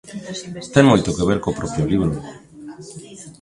Ten moito que ver co propio libro.